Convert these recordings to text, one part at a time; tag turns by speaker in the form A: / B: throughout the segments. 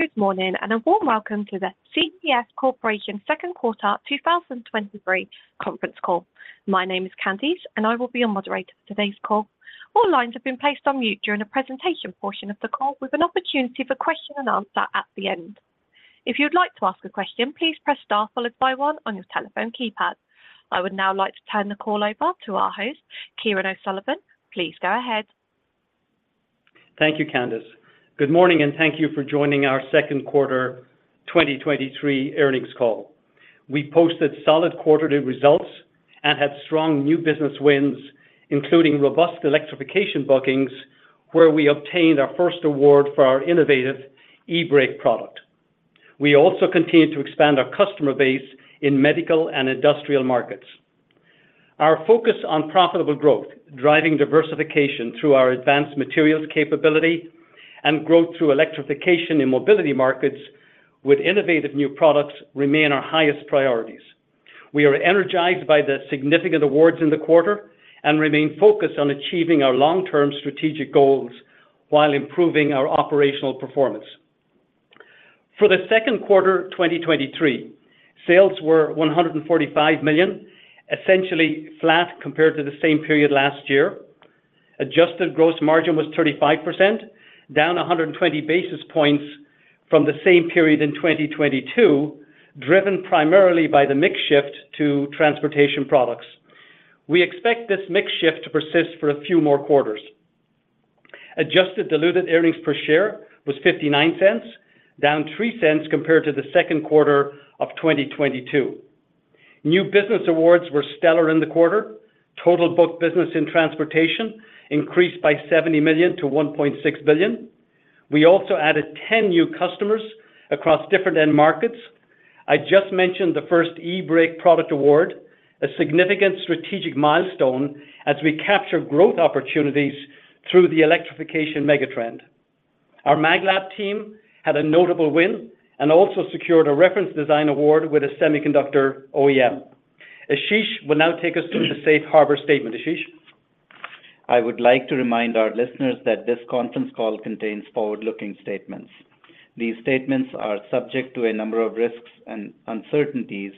A: Good morning, a warm welcome to the CTS Corporation second quarter 2023 conference call. My name is Candice. I will be your moderator for today's call. All lines have been placed on mute during the presentation portion of the call, with an opportunity for question and answer at the end. If you'd like to ask a question, please press star followed by 1 on your telephone keypad. I would now like to turn the call over to our host, Kieran O'Sullivan. Please go ahead.
B: Thank you, Candice. Good morning, thank you for joining our second quarter 2023 earnings call. We posted solid quarterly results and had strong new business wins, including robust electrification bookings, where we obtained our first award for our innovative eBrake product. We also continued to expand our customer base in medical and industrial markets. Our focus on profitable growth, driving diversification through our advanced materials capability and growth through electrification in mobility markets with innovative new products remain our highest priorities. We are energized by the significant awards in the quarter and remain focused on achieving our long-term strategic goals while improving our operational performance. For the second quarter 2023, sales were $145 million, essentially flat compared to the same period last year. Adjusted gross margin was 35%, down 120 basis points from the same period in 2022, driven primarily by the mix shift to transportation products. We expect this mix shift to persist for a few more quarters. Adjusted diluted earnings per share was $0.59, down $0.03 compared to the second quarter of 2022. New business awards were stellar in the quarter. Total booked business in transportation increased by $70 million to $1.6 billion. We also added 10 new customers across different end markets. I just mentioned the first eBrake product award, a significant strategic milestone as we capture growth opportunities through the electrification megatrend. Our MagLab team had a notable win and also secured a reference design award with a semiconductor OEM. Ashish will now take us through the Safe Harbor statement. Ashish?
C: I would like to remind our listeners that this conference call contains forward-looking statements. These statements are subject to a number of risks and uncertainties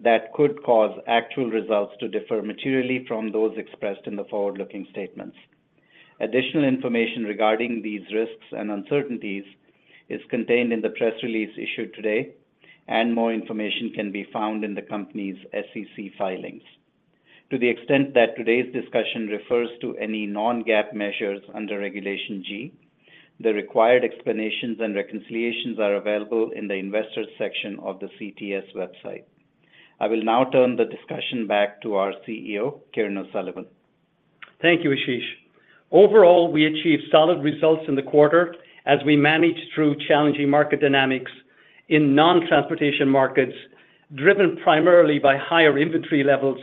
C: that could cause actual results to differ materially from those expressed in the forward-looking statements. Additional information regarding these risks and uncertainties is contained in the press release issued today, and more information can be found in the company's SEC filings. To the extent that today's discussion refers to any non-GAAP measures under Regulation G, the required explanations and reconciliations are available in the Investors section of the CTS website. I will now turn the discussion back to our CEO, Kieran O'Sullivan.
B: Thank you, Ashish. Overall, we achieved solid results in the quarter as we managed through challenging market dynamics in non-transportation markets, driven primarily by higher inventory levels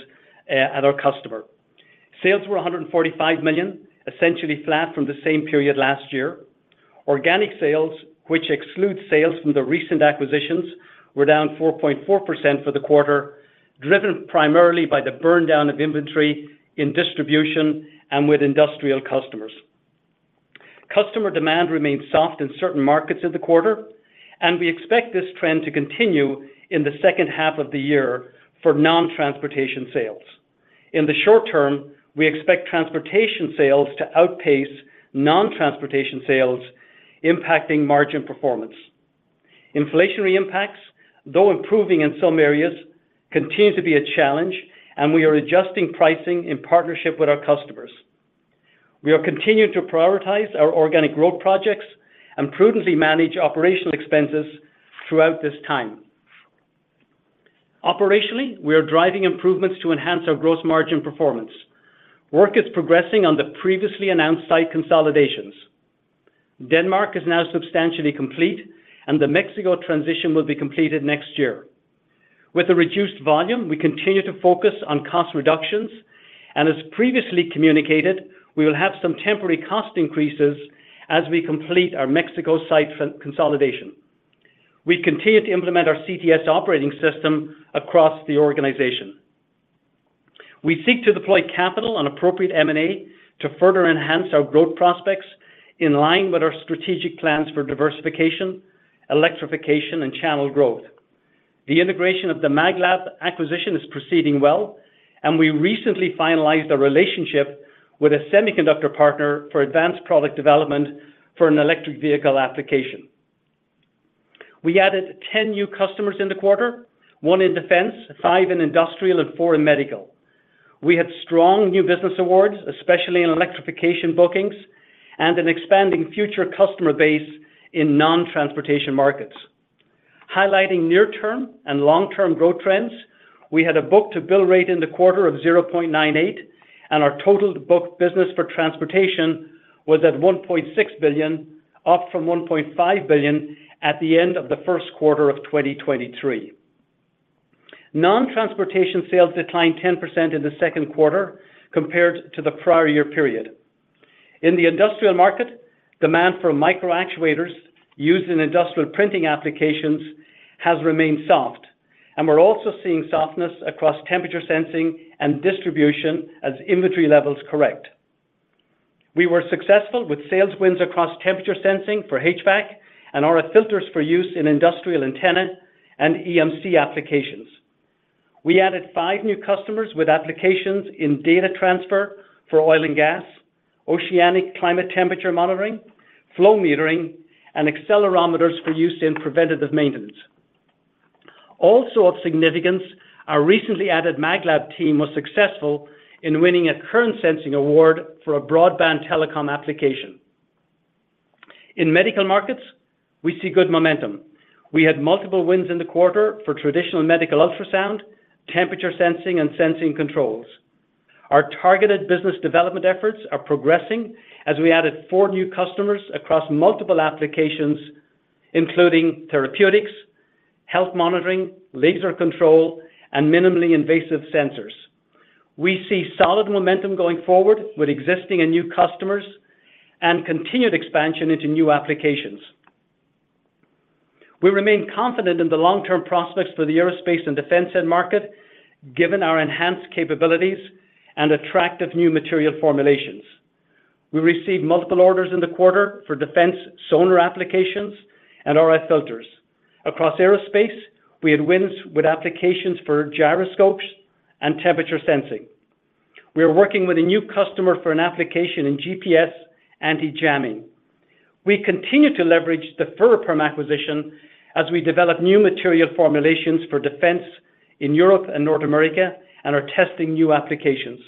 B: at our customer. Sales were $145 million, essentially flat from the same period last year. Organic sales, which excludes sales from the recent acquisitions, were down 4.4% for the quarter, driven primarily by the burn down of inventory in distribution and with industrial customers. Customer demand remained soft in certain markets in the quarter. We expect this trend to continue in the second half of the year for non-transportation sales. In the short term, we expect transportation sales to outpace non-transportation sales, impacting margin performance. Inflationary impacts, though improving in some areas, continue to be a challenge, and we are adjusting pricing in partnership with our customers. We are continuing to prioritize our organic growth projects and prudently manage operational expenses throughout this time. Operationally, we are driving improvements to enhance our gross margin performance. Work is progressing on the previously announced site consolidations. Denmark is now substantially complete, and the Mexico transition will be completed next year. With the reduced volume, we continue to focus on cost reductions, and as previously communicated, we will have some temporary cost increases as we complete our Mexico site consolidation. We continue to implement our CTS operating system across the organization. We seek to deploy capital on appropriate M&A to further enhance our growth prospects in line with our strategic plans for diversification, electrification, and channel growth. The integration of the MagLab acquisition is proceeding well, and we recently finalized a relationship with a semiconductor partner for advanced product development for an electric vehicle application. We added 10 new customers in the quarter, one in defense, five in industrial, and four in medical. We had strong new business awards, especially in electrification bookings and an expanding future customer base in non-transportation markets. Highlighting near-term and long-term growth trends, we had a book-to-bill rate in the quarter of 0.98, and our total book business for transportation was at $1.6 billion, up from $1.5 billion at the end of the first quarter of 2023. Non-transportation sales declined 10% in the second quarter compared to the prior year period. In the industrial market, demand for micro actuators used in industrial printing applications has remained soft, and we're also seeing softness across temperature sensing and distribution as inventory levels correct. We were successful with sales wins across temperature sensing for HVAC and RF filters for use in industrial antenna and EMC applications. We added 5 new customers with applications in data transfer for oil and gas, oceanic climate temperature monitoring, flow metering, and accelerometers for use in preventative maintenance. Also of significance, our recently added Maglab team was successful in winning a current sensing award for a broadband telecom application. In medical markets, we see good momentum. We had multiple wins in the quarter for traditional medical ultrasound, temperature sensing, and sensing controls. Our targeted business development efforts are progressing as we added new customers across multiple applications, including therapeutics, health monitoring, laser control, and minimally invasive sensors. We see solid momentum going forward with existing and new customers and continued expansion into new applications. We remain confident in the long-term prospects for the aerospace and defense end market, given our enhanced capabilities and attractive new material formulations. We received multiple orders in the quarter for defense sonar applications and RF filters. Across aerospace, we had wins with applications for gyroscopes and temperature sensing. We are working with a new customer for an application in GPS anti-jamming. We continue to leverage the Ferroperm acquisition as we develop new material formulations for defense in Europe and North America, and are testing new applications.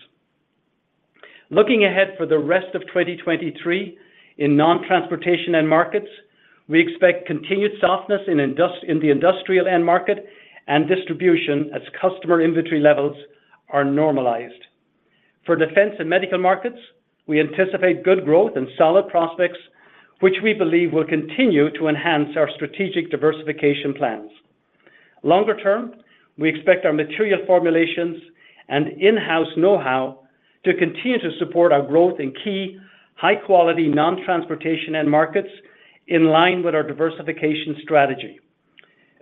B: Looking ahead for the rest of 2023, in non-transportation end markets, we expect continued softness in the industrial end market and distribution as customer inventory levels are normalized. For defense and medical markets, we anticipate good growth and solid prospects, which we believe will continue to enhance our strategic diversification plans. Longer term, we expect our material formulations and in-house know-how to continue to support our growth in key, high-quality, non-transportation end markets in line with our diversification strategy.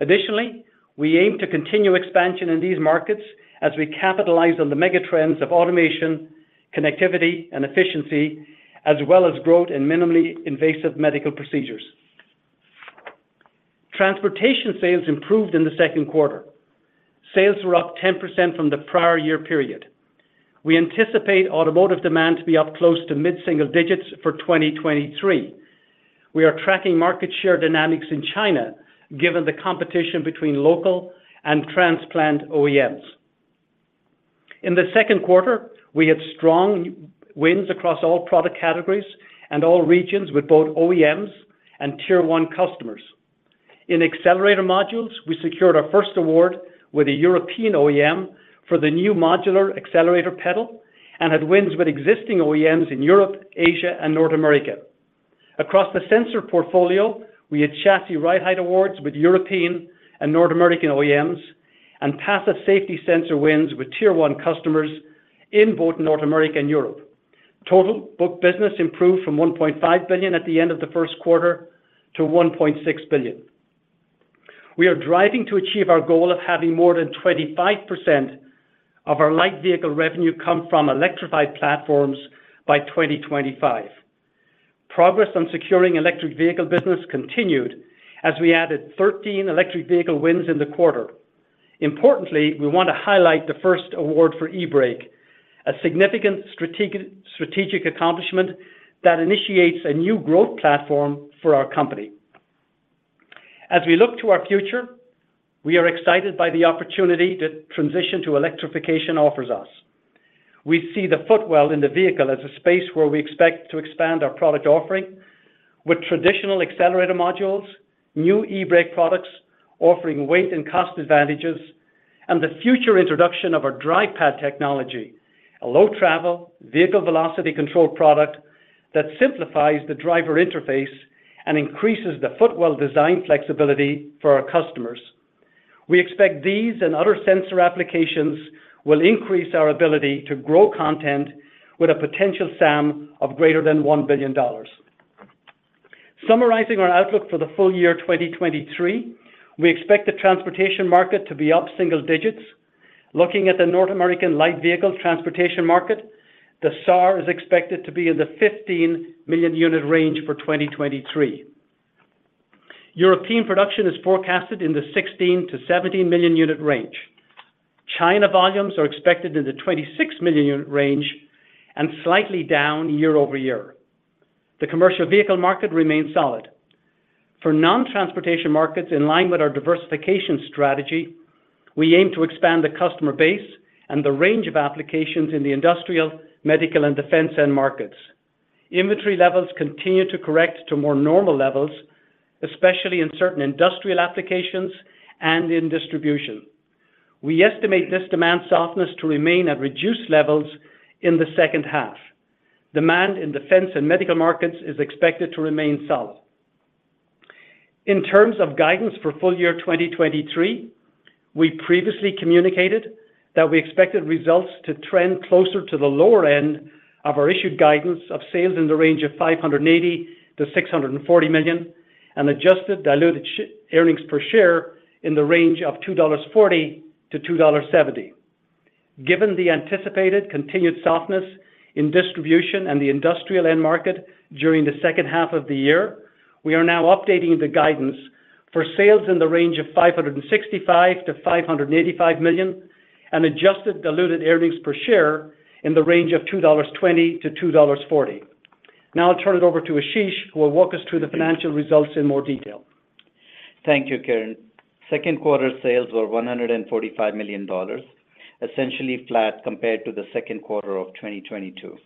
B: Additionally, we aim to continue expansion in these markets as we capitalize on the mega trends of automation, connectivity, and efficiency, as well as growth in minimally invasive medical procedures. Transportation sales improved in the second quarter. Sales were up 10% from the prior year period. We anticipate automotive demand to be up close to mid-single digits for 2023. We are tracking market share dynamics in China, given the competition between local and transplant OEMs. In the second quarter, we had strong wins across all product categories and all regions with both OEMs and Tier One customers. In accelerator modules, we secured our first award with a European OEM for the new modular accelerator pedal and had wins with existing OEMs in Europe, Asia, and North America. Across the sensor portfolio, we had chassis ride height awards with European and North American OEMs, and passive safety sensor wins with Tier One customers in both North America and Europe. Total book business improved from $1.5 billion at the end of the first quarter to $1.6 billion. We are driving to achieve our goal of having more than 25% of our light vehicle revenue come from electrified platforms by 2025. Progress on securing electric vehicle business continued as we added 13 electric vehicle wins in the quarter. Importantly, we want to highlight the first award for eBrake, a significant strategic accomplishment that initiates a new growth platform for our company. As we look to our future, we are excited by the opportunity that transition to electrification offers us. We see the footwell in the vehicle as a space where we expect to expand our product offering with traditional accelerator modules, new eBrake products, offering weight and cost advantages, and the future introduction of our DrivePad technology, a low-travel, vehicle velocity control product that simplifies the driver interface and increases the footwell design flexibility for our customers. We expect these and other sensor applications will increase our ability to grow content with a potential SAM of greater than $1 billion. Summarizing our outlook for the full year 2023, we expect the transportation market to be up single digits. Looking at the North American light vehicles transportation market, the SAR is expected to be in the 15 million unit range for 2023. European production is forecasted in the 16 million-17 million unit range. China volumes are expected in the 26 million unit range and slightly down year-over-year. The commercial vehicle market remains solid. For non-transportation markets, in line with our diversification strategy, we aim to expand the customer base and the range of applications in the industrial, medical, and defense end markets. Inventory levels continue to correct to more normal levels, especially in certain industrial applications and in distribution. We estimate this demand softness to remain at reduced levels in the second half. Demand in defense and medical markets is expected to remain solid. In terms of guidance for full year 2023, we previously communicated that we expected results to trend closer to the lower end of our issued guidance of sales in the range of $580 million-$640 million, and adjusted diluted earnings per share in the range of $2.40-$2.70. Given the anticipated continued softness in distribution and the industrial end market during the second half of the year, we are now updating the guidance for sales in the range of $565 million-$585 million, and adjusted diluted earnings per share in the range of $2.20-$2.40. Now I'll turn it over to Ashish, who will walk us through the financial results in more detail.
C: Thank you, Kieran. Second quarter sales were $145 million, essentially flat compared to the second quarter of 2022.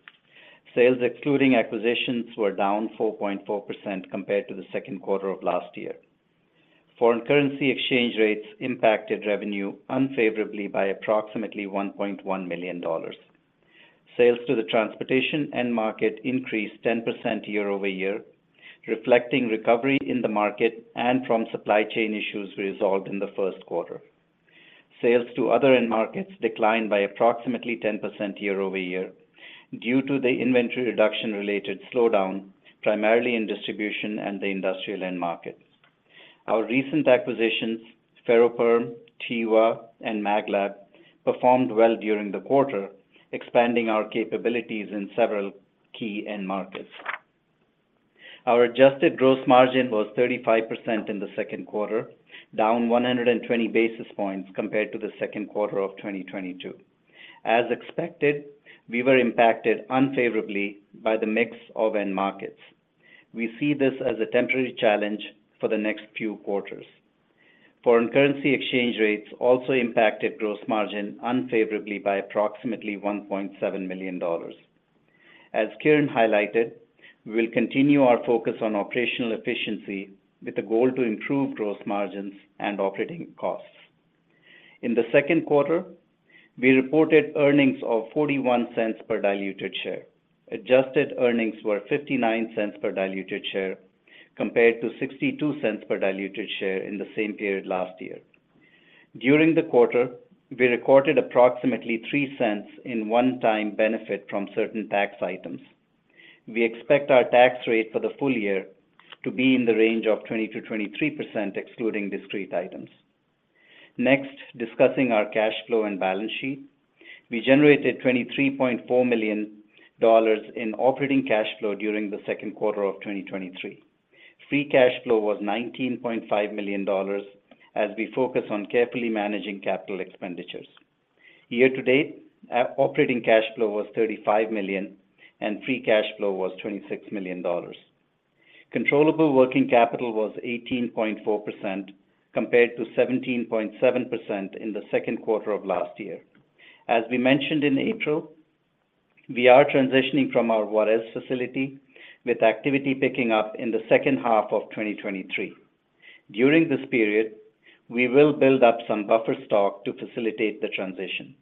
C: Sales excluding acquisitions were down 4.4% compared to the second quarter of last year. Foreign currency exchange rates impacted revenue unfavorably by approximately $1.1 million. Sales to the transportation end market increased 10% year-over-year, reflecting recovery in the market and from supply chain issues resolved in the first quarter. Sales to other end markets declined by approximately 10% year-over-year, due to the inventory reduction related slowdown, primarily in distribution and the industrial end markets. Our recent acquisitions, Ferroperm, TEWA, and Maglab, performed well during the quarter, expanding our capabilities in several key end markets. Our adjusted gross margin was 35% in the second quarter, down 120 basis points compared to the second quarter of 2022. As expected, we were impacted unfavorably by the mix of end markets. We see this as a temporary challenge for the next few quarters. Foreign currency exchange rates also impacted gross margin unfavorably by approximately $1.7 million. As Kieran highlighted, we will continue our focus on operational efficiency with the goal to improve gross margins and operating costs. In the second quarter, we reported earnings of $0.41 per diluted share. Adjusted earnings were $0.59 per diluted share, compared to $0.62 per diluted share in the same period last year. During the quarter, we recorded approximately $0.03 in one-time benefit from certain tax items. We expect our tax rate for the full year to be in the range of 20%-23%, excluding discrete items. Next, discussing our cash flow and balance sheet. We generated $23.4 million in operating cash flow during the second quarter of 2023. Free cash flow was $19.5 million as we focus on carefully managing capital expenditures. Year to date, our operating cash flow was $35 million, and free cash flow was $26 million. Controllable working capital was 18.4%, compared to 17.7% in the second quarter of last year. As we mentioned in April, we are transitioning from our Juarez facility, with activity picking up in the second half of 2023. During this period, we will build up some buffer stock to facilitate the transition.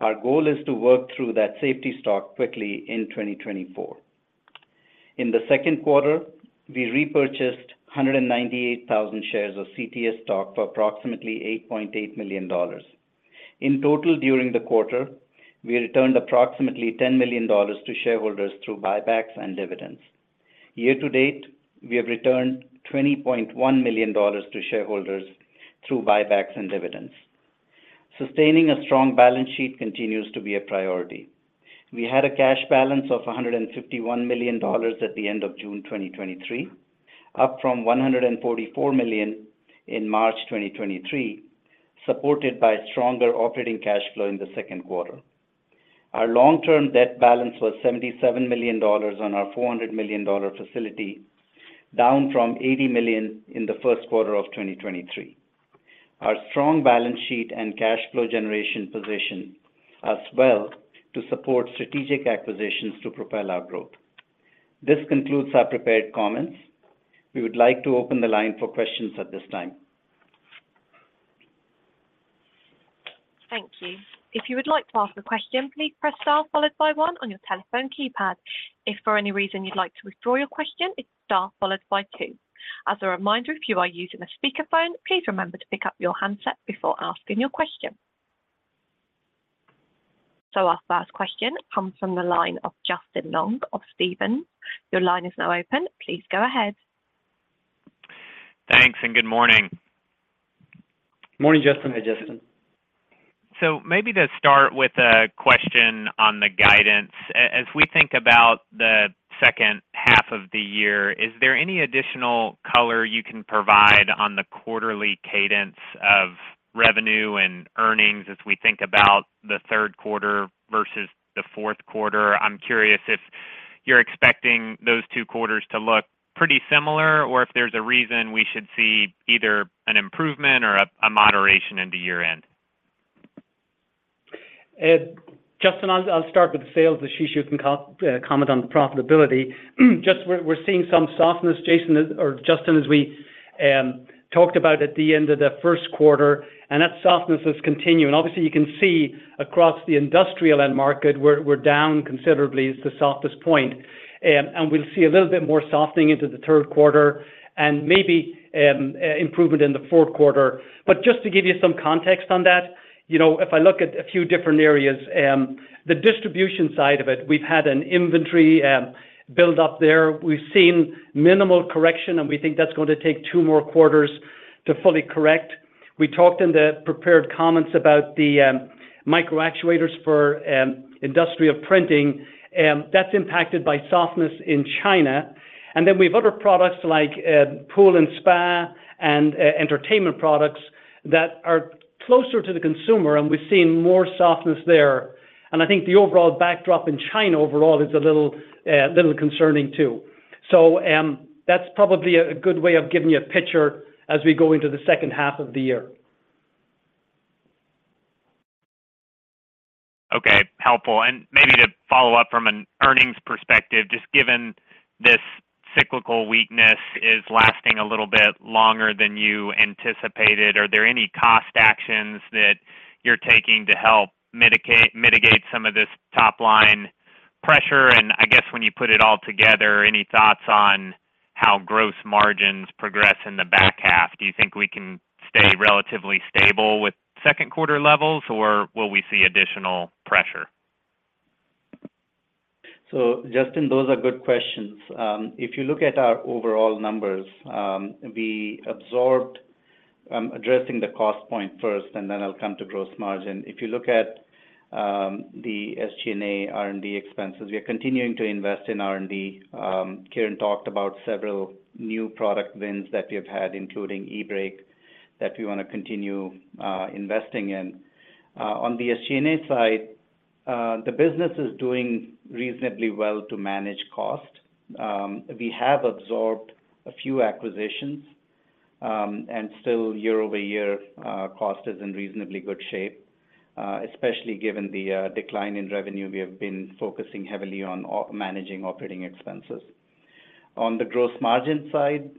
C: Our goal is to work through that safety stock quickly in 2024. In the second quarter, we repurchased 198,000 shares of CTS stock for approximately $8.8 million. In total, during the quarter, we returned approximately $10 million to shareholders through buybacks and dividends. Year to date, we have returned $20.1 million to shareholders through buybacks and dividends. Sustaining a strong balance sheet continues to be a priority. We had a cash balance of $151 million at the end of June 2023, up from $144 million in March 2023, supported by stronger operating cash flow in the second quarter. Our long-term debt balance was $77 million on our $400 million facility, down from $80 million in the first quarter of 2023. Our strong balance sheet and cash flow generation position us well to support strategic acquisitions to propel our growth. This concludes our prepared comments. We would like to open the line for questions at this time.
A: Thank you. If you would like to ask a question, please press star followed by one on your telephone keypad. If for any reason you'd like to withdraw your question, it's star followed by two. As a reminder, if you are using a speakerphone, please remember to pick up your handset before asking your question. Our first question comes from the line of Justin Long of Stephens. Your line is now open. Please go ahead.
D: Thanks, and good morning.
B: Morning, Justin.
C: Hi, Justin.
D: Maybe to start with a question on the guidance. As we think about the second half of the year, is there any additional color you can provide on the quarterly cadence of revenue and earnings as we think about the third quarter versus the fourth quarter? I'm curious if you're expecting those two quarters to look pretty similar, or if there's a reason we should see either an improvement or a moderation into year-end.
B: Justin, I'll start with the sales. Ashish, you can comment on the profitability. Just we're seeing some softness, Jason, as Or Justin, as we talked about at the end of the first quarter, and that softness has continued. Obviously, you can see across the industrial end market, we're down considerably. It's the softest point. We'll see a little bit more softening into the third quarter and maybe improvement in the fourth quarter. Just to give you some context on that, you know, if I look at a few different areas, the distribution side of it, we've had an inventory build up there. We've seen minimal correction, and we think that's going to take two more quarters to fully correct. We talked in the prepared comments about the micro actuators for industrial printing, and that's impacted by softness in China. Then we've other products like pool and spa and entertainment products that are closer to the consumer, and we've seen more softness there. I think the overall backdrop in China overall is a little little concerning too. That's probably a good way of giving you a picture as we go into the second half of the year.
D: Okay, helpful. Maybe to follow up from an earnings perspective, just given this cyclical weakness is lasting a little bit longer than you anticipated, are there any cost actions that you're taking to help mitigate some of this top line pressure? I guess when you put it all together, any thoughts on how gross margins progress in the back half? Do you think we can stay relatively stable with second quarter levels, or will we see additional pressure?
C: Justin, those are good questions. If you look at our overall numbers, we absorbed, addressing the cost point first, and then I'll come to gross margin. If you look at the SG&A R&D expenses, we are continuing to invest in R&D. Kieran talked about several new product wins that we've had, including eBrake, that we wanna continue investing in. On the SG&A side, the business is doing reasonably well to manage cost. We have absorbed a few acquisitions, and still, year-over-year, cost is in reasonably good shape. Especially given the decline in revenue, we have been focusing heavily on managing operating expenses. On the gross margin side,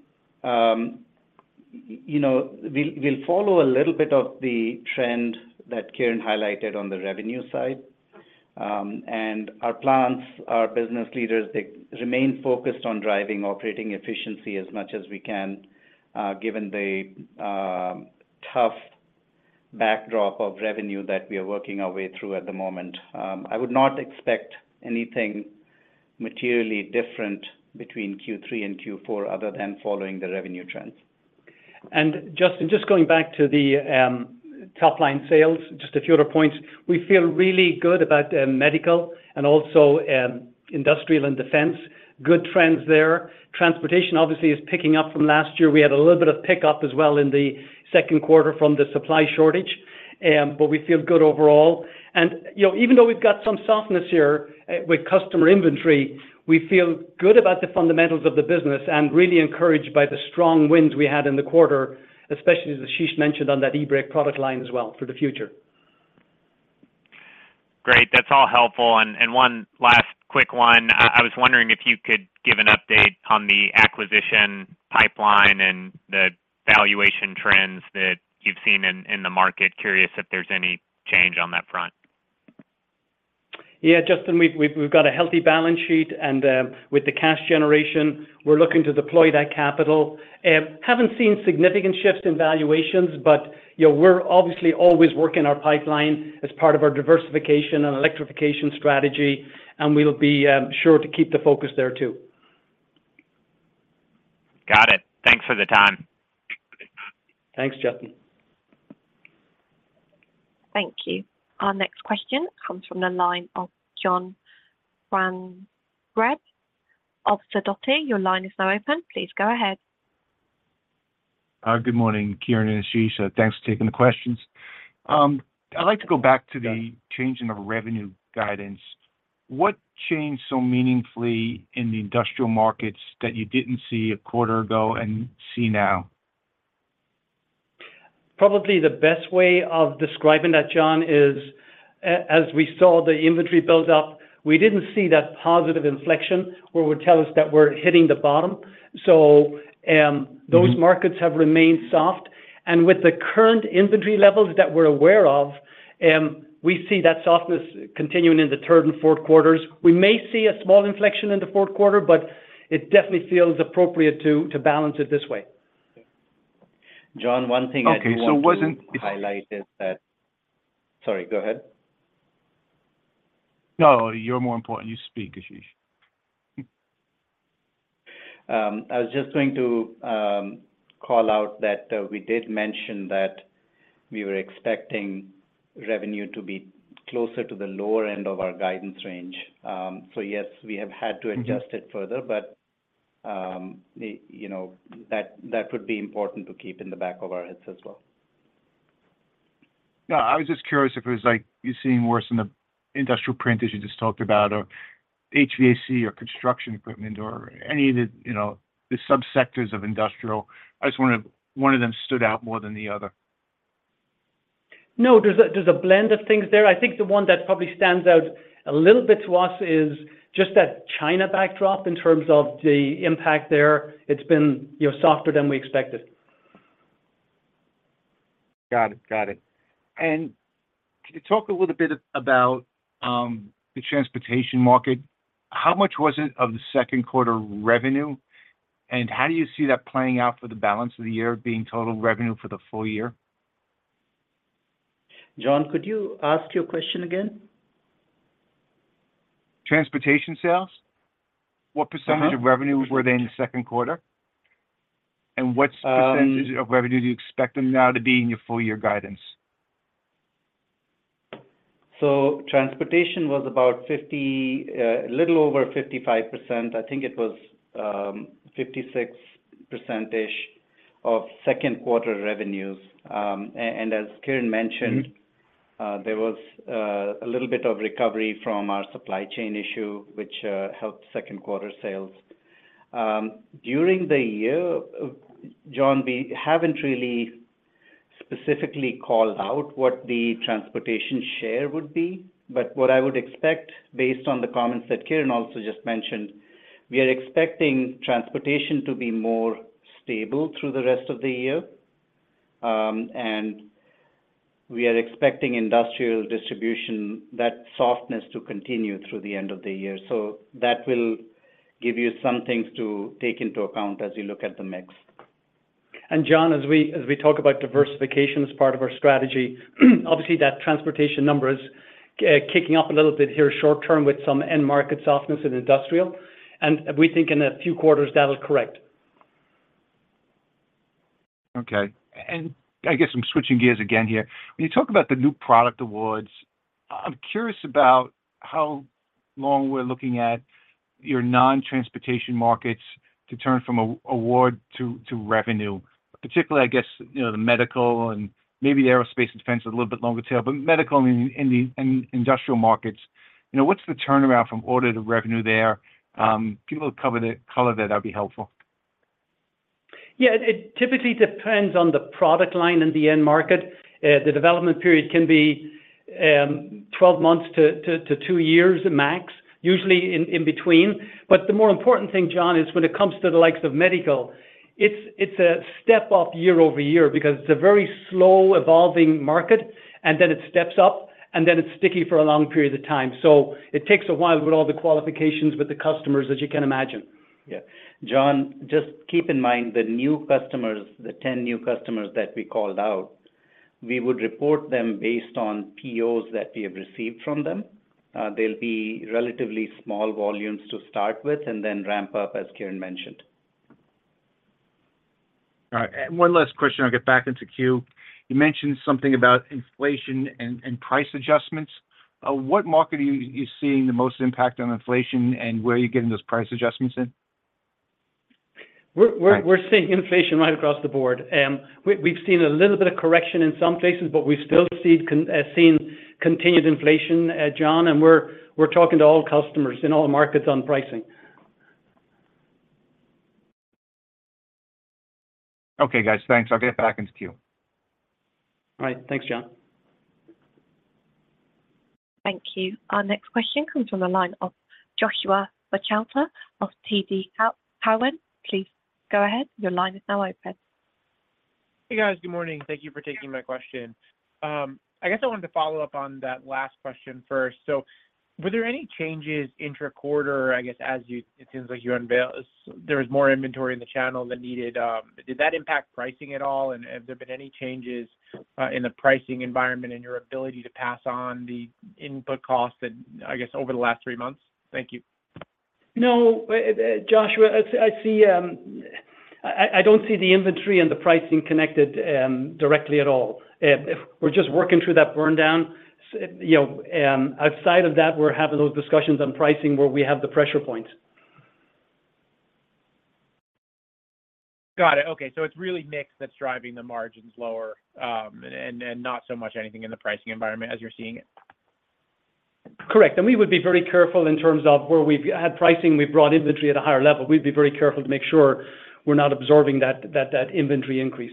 C: you know, we'll follow a little bit of the trend that Kieran highlighted on the revenue side. Our plans, our business leaders, they remain focused on driving operating efficiency as much as we can, given the tough backdrop of revenue that we are working our way through at the moment. I would not expect anything materially different between Q3 and Q4, other than following the revenue trends.
B: Justin, just going back to the top-line sales, just a few other points. We feel really good about medical and also industrial and defense. Good trends there. Transportation obviously is picking up from last year. We had a little bit of pick up as well in the second quarter from the supply shortage, but we feel good overall. You know, even though we've got some softness here, with customer inventory, we feel good about the fundamentals of the business and really encouraged by the strong wins we had in the quarter, especially as Ashish mentioned on that eBrake product line as well for the future.
D: Great, that's all helpful. One last quick one.
B: Yeah.
D: I was wondering if you could give an update on the acquisition pipeline and the valuation trends that you've seen in the market. Curious if there's any change on that front.
B: Yeah, Justin, we've got a healthy balance sheet, and with the cash generation, we're looking to deploy that capital. Haven't seen significant shifts in valuations, but, you know, we're obviously always working our pipeline as part of our diversification and electrification strategy, and we'll be sure to keep the focus there too.
D: Got it. Thanks for the time.
B: Thanks, Justin.
A: Thank you. Our next question comes from the line of John Franzreb of Sidoti. Your line is now open. Please go ahead.
E: Good morning, Kieran and Ashish. Thanks for taking the questions. I'd like to go back to.
B: Yeah
E: change in the revenue guidance. What changed so meaningfully in the industrial markets that you didn't see a quarter ago and see now?
B: Probably the best way of describing that, John, is as we saw the inventory build up, we didn't see that positive inflection where would tell us that we're hitting the bottom.
E: Mm-hmm
B: those markets have remained soft, and with the current inventory levels that we're aware of, we see that softness continuing in the third and fourth quarters. We may see a small inflection in the fourth quarter, but it definitely feels appropriate to balance it this way.
C: John, one thing I do want to.
E: Okay.
C: highlight is that. Sorry, go ahead.
E: No, you're more important. You speak, Ashish.
C: I was just going to call out that we did mention that we were expecting revenue to be closer to the lower end of our guidance range. Yes, we have had.
E: Mm-hmm...
C: adjust it further, but, you know, that would be important to keep in the back of our heads as well.
E: Yeah, I was just curious if it was like you're seeing worse in the industrial print, as you just talked about, or HVAC, or construction equipment, or any of the, you know, the subsectors of industrial. I just wondered if one of them stood out more than the other.
B: No, there's a blend of things there. I think the one that probably stands out a little bit to us is just that China backdrop in terms of the impact there. It's been, you know, softer than we expected.
E: Got it. Got it. Could you talk a little bit about the transportation market? How much was it of the second quarter revenue, and how do you see that playing out for the balance of the year, being total revenue for the full year?
C: John, could you ask your question again? ...
E: Transportation sales, what % of revenue were they in the second quarter? What % of revenue do you expect them now to be in your full year guidance?
C: transportation was about 50, a little over 55%. I think it was, 56% of second quarter revenues. as Kieran mentioned.
E: Mm-hmm...
C: there was a little bit of recovery from our supply chain issue, which helped second quarter sales. During the year, John, we haven't really specifically called out what the transportation share would be, but what I would expect based on the comments that Kieran also just mentioned, we are expecting transportation to be more stable through the rest of the year. We are expecting industrial distribution, that softness to continue through the end of the year. That will give you some things to take into account as you look at the mix.
B: John, as we talk about diversification as part of our strategy, obviously, that transportation number is kicking up a little bit here short term with some end market softness in industrial, and we think in a few quarters, that'll correct.
E: Okay. I guess I'm switching gears again here. When you talk about the new product awards, I'm curious about how long we're looking at your non-transportation markets to turn from a award to revenue. Particularly, I guess, you know, the medical and maybe aerospace and defense are a little bit longer tail, but medical and the industrial markets, you know, what's the turnaround from order to revenue there? Give a little color there, that'd be helpful.
B: Yeah, it typically depends on the product line and the end market. The development period can be 12 months to 2 years max, usually in between. The more important thing, John, is when it comes to the likes of medical, it's a step-up year-over-year because it's a very slow evolving market, and then it steps up, and then it's sticky for a long period of time. It takes a while with all the qualifications, with the customers, as you can imagine.
C: Yeah. John, just keep in mind, the new customers, the 10 new customers that we called out, we would report them based on POs that we have received from them. They'll be relatively small volumes to start with, and then ramp up, as Kieran mentioned.
E: All right. One last question, I'll get back into queue. You mentioned something about inflation and price adjustments. What market are you seeing the most impact on inflation, and where are you getting those price adjustments in?
B: We're seeing inflation right across the board. We've seen a little bit of correction in some places, but we still see continued inflation, John, and we're talking to all customers in all markets on pricing.
E: Okay, guys. Thanks. I'll get back into queue.
B: All right. Thanks, John.
A: Thank you. Our next question comes from the line of Joshua Buchalter of TD Cowen. Please go ahead. Your line is now open.
F: Hey, guys. Good morning. Thank you for taking my question. I guess I wanted to follow up on that last question first. Were there any changes intra-quarter, I guess, there was more inventory in the channel than needed, did that impact pricing at all? Have there been any changes in the pricing environment and your ability to pass on the input costs that, I guess, over the last 3 months? Thank you.
B: No, Joshua, I see I don't see the inventory and the pricing connected directly at all. We're just working through that burn down. You know, outside of that, we're having those discussions on pricing where we have the pressure points.
F: Got it. Okay. It's really mix that's driving the margins lower, and not so much anything in the pricing environment as you're seeing it?
B: Correct. We would be very careful in terms of where we've had pricing, we've brought inventory at a higher level. We'd be very careful to make sure we're not absorbing that inventory increase.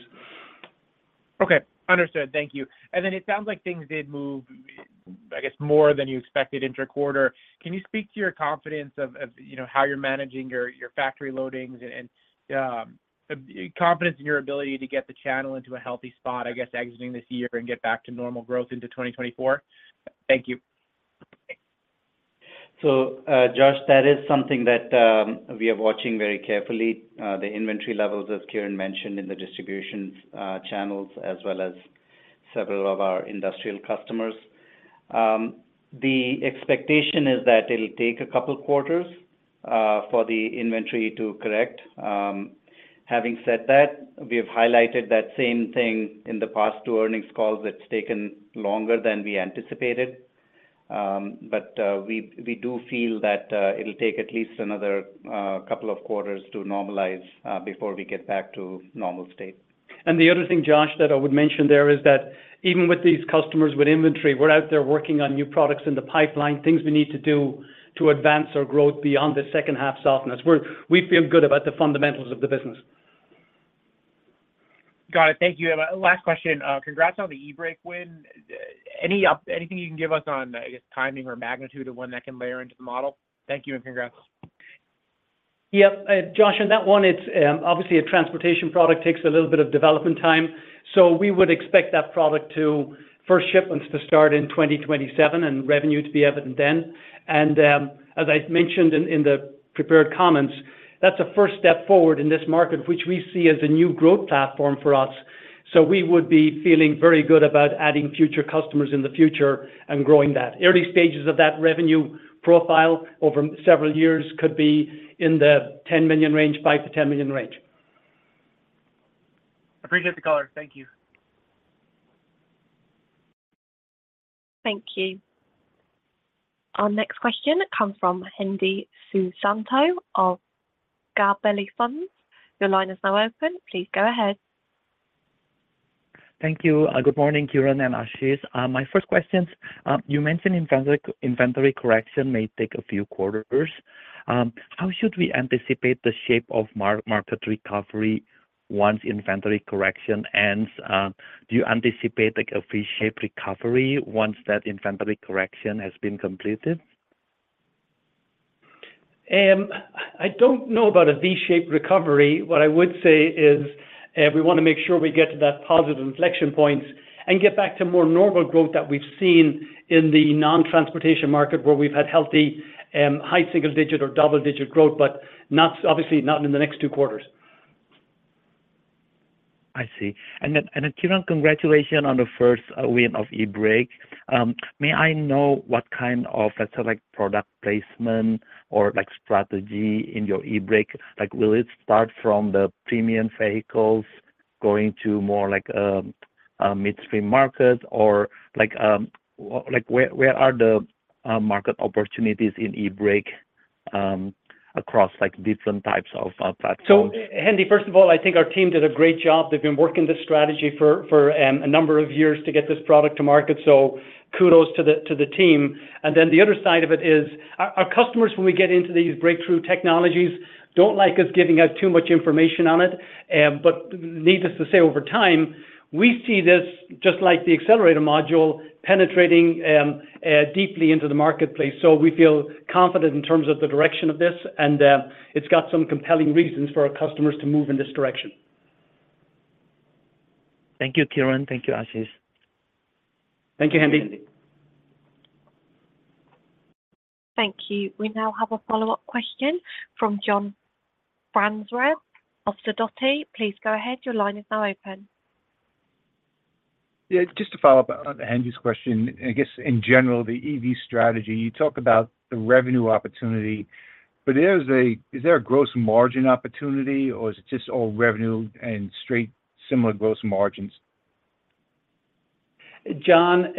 F: Okay. Understood. Thank you. Then it sounds like things did move, I guess, more than you expected intra-quarter. Can you speak to your confidence of, you know, how you're managing your factory loadings and, confidence in your ability to get the channel into a healthy spot, I guess, exiting this year and get back to normal growth into 2024? Thank you.
C: Josh, that is something that we are watching very carefully, the inventory levels, as Kieran mentioned, in the distribution channels, as well as several of our industrial customers. The expectation is that it'll take a couple of quarters for the inventory to correct. Having said that, we have highlighted that same thing in the past 2 earnings calls. It's taken longer than we anticipated, we do feel that it'll take at least another couple of quarters to normalize before we get back to normal state.
B: The other thing, Josh, that I would mention there is that even with these customers with inventory, we're out there working on new products in the pipeline, things we need to do to advance our growth beyond the second half softness. We feel good about the fundamentals of the business.
F: Got it. Thank you. Last question, congrats on the eBrake win. Anything you can give us on, I guess, timing or magnitude of when that can layer into the model? Thank you, and congrats.
B: Yeah, Josh, on that one, it's obviously, a transportation product, takes a little bit of development time. We would expect that product to first shipments to start in 2027 and revenue to be evident then. As I mentioned in the prepared comments, that's a first step forward in this market, which we see as a new growth platform for us. We would be feeling very good about adding future customers in the future and growing that. Early stages of that revenue profile over several years could be in the $10 million range, $5 million-$10 million range.
F: Appreciate the call. Thank you.
A: Thank you. Our next question comes from Hendi Susanto of Gabelli Funds. Your line is now open. Please go ahead.
G: Thank you. Good morning, Kieran and Ashish. My first question, you mentioned inventory correction may take a few quarters. How should we anticipate the shape of market recovery once inventory correction ends? Do you anticipate, like, a V-shaped recovery once that inventory correction has been completed?
B: I don't know about a V-shaped recovery. What I would say is, we wanna make sure we get to that positive inflection point and get back to more normal growth that we've seen in the non-transportation market, where we've had healthy, high single-digit or double-digit growth, but obviously, not in the next two quarters.
G: I see. Then, and, Kieran, congratulations on the first win of eBrake. May I know what kind of, let's say, like, product placement or, like, strategy in your eBrake? Like, will it start from the premium vehicles going to more like a midstream market, or like, where are the market opportunities in eBrake, across, like, different types of, platforms?
B: Hendi, first of all, I think our team did a great job. They've been working this strategy for a number of years to get this product to market, kudos to the team. The other side of it is, our customers, when we get into these breakthrough technologies, don't like us giving out too much information on it. Needless to say, over time, we see this just like the accelerator module, penetrating deeply into the marketplace. We feel confident in terms of the direction of this, and it's got some compelling reasons for our customers to move in this direction.
G: Thank you, Kieran. Thank you, Ashish.
B: Thank you, Hendi.
A: Thank you. We now have a follow-up question from John Franzreb of Sidoti. Please go ahead. Your line is now open.
E: Yeah, just to follow up on Hendi's question, I guess in general, the EV strategy, you talk about the revenue opportunity. Is there a gross margin opportunity, or is it just all revenue and straight similar gross margins?
B: John,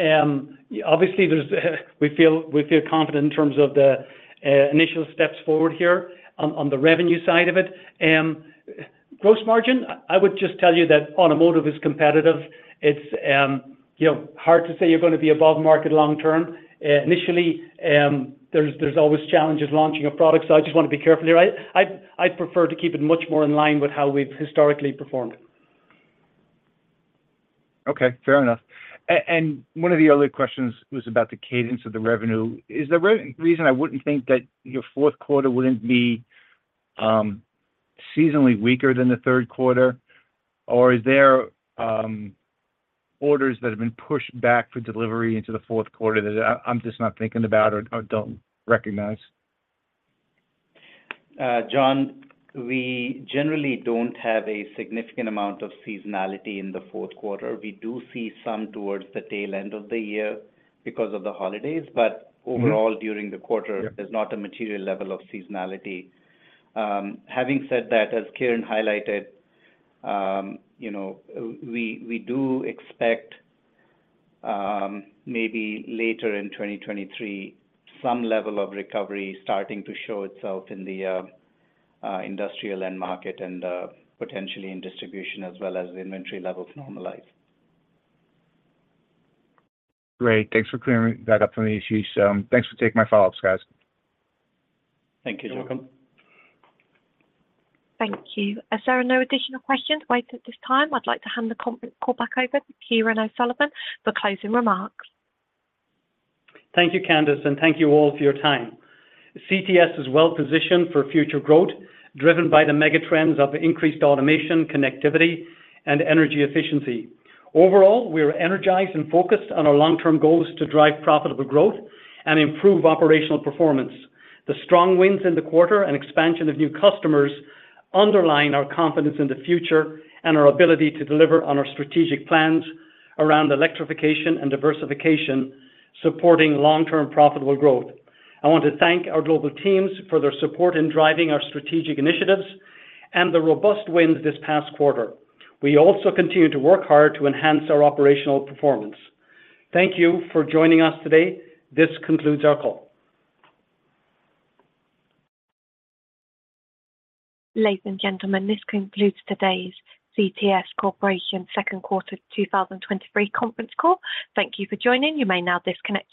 B: obviously, there's, we feel confident in terms of the initial steps forward here on the revenue side of it. Gross margin, I would just tell you that automotive is competitive. It's, you know, hard to say you're gonna be above market long term. Initially, there's always challenges launching a product, so I just want to be careful here. I'd prefer to keep it much more in line with how we've historically performed.
E: Okay, fair enough. One of the other questions was about the cadence of the revenue. Is the reason I wouldn't think that your fourth quarter wouldn't be seasonally weaker than the third quarter, or is there orders that have been pushed back for delivery into the fourth quarter that I'm just not thinking about or don't recognize?
C: John, we generally don't have a significant amount of seasonality in the fourth quarter. We do see some towards the tail end of the year because of the holidays.
E: Mm-hmm...
C: overall, during the quarter
E: Yeah
C: There's not a material level of seasonality. Having said that, as Kieran highlighted, you know, we do expect, maybe later in 2023, some level of recovery starting to show itself in the industrial end market and, potentially in distribution, as well as the inventory levels normalize.
E: Great. Thanks for clearing that up for me, Ashish. Thanks for taking my follow-ups, guys.
C: Thank you, John.
B: You're welcome.
A: Thank you. As there are no additional questions waiting at this time, I'd like to hand the call back over to Kieran O'Sullivan for closing remarks.
B: Thank you, Candice. Thank you all for your time. CTS is well positioned for future growth, driven by the mega trends of increased automation, connectivity, and energy efficiency. Overall, we are energized and focused on our long-term goals to drive profitable growth and improve operational performance. The strong wins in the quarter and expansion of new customers underline our confidence in the future and our ability to deliver on our strategic plans around electrification and diversification, supporting long-term profitable growth. I want to thank our global teams for their support in driving our strategic initiatives and the robust wins this past quarter. We also continue to work hard to enhance our operational performance. Thank you for joining us today. This concludes our call.
A: Ladies and gentlemen, this concludes today's CTS Corporation second quarter 2023 conference call. Thank you for joining. You may now disconnect.